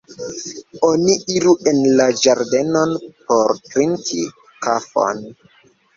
Oni iru en la ĝardenon por trinki kafon.